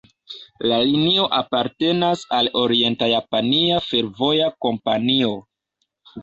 La linio apartenas al Orienta-Japania Fervoja Kompanio.